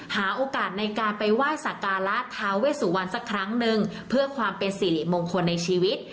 หาโอกาสในการไปไหว้สักการะท้าเวสุวรรณสักครั้งนึงเพื่อความเป็นสิริมงคลในชีวิต